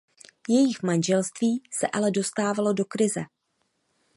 Jejich manželství se ale dostávalo do krize.